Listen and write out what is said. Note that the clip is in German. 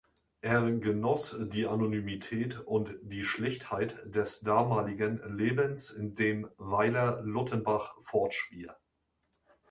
Er genoss die Anonymität und die Schlichtheit des damaligen Lebens in dem Weiler Luttenbach-Fortschwihr.